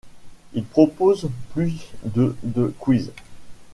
Il propose plus de de quiz.